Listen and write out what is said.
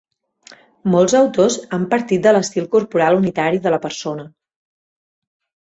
Molts autors han partit de l'estil corporal unitari de la persona.